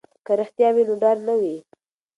که رښتیا وي نو ډار نه وي.